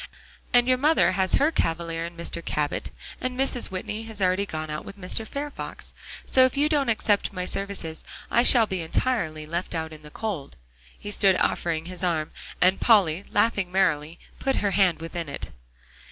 And your mother has her cavalier, in Mr. Cabot; and Mrs. Whitney has already gone out with Mr. Fairfax. So if you don't accept my services, I shall be entirely left out in the cold." He stood offering his arm, and Polly, laughing merrily, put her hand within it.